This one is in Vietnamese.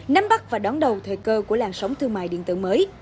nắm bắt và đón đầu thời cơ của làn sóng thương mại điện tử mới